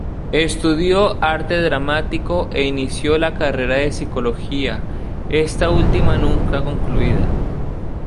Estudió arte dramático e inició la carrera de psicología, esta última nunca concluida.